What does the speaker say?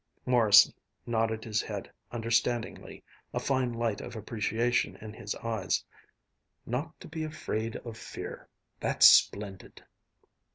Morrison nodded his head understandingly, a fine light of appreciation in his eyes, "Not to be afraid of fear that's splendid."